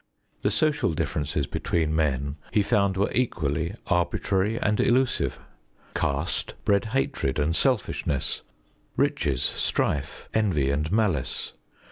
The social differences between men he found were equally arbitrary and illusive; caste bred hatred and selfishness; riches strife, envy and malice.